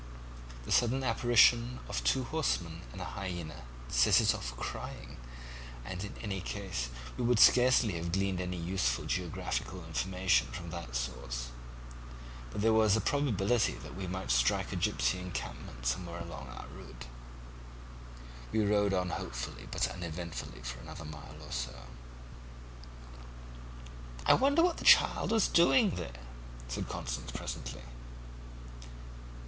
The sudden apparition of two horsewomen and a hyaena set it off crying, and in any case we should scarcely have gleaned any useful geographical information from that source; but there was a probability that we might strike a gipsy encampment somewhere along our route. We rode on hopefully but uneventfully for another mile or so. "'I wonder what that child was doing there,' said Constance presently.